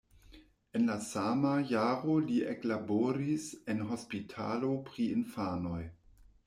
En la sama jaro li eklaboris en hospitalo pri infanoj.